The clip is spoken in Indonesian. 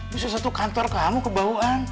bisa satu kantor kamu kebawaan